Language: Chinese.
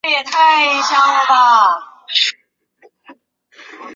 应报正义着重对恶行的适当回应。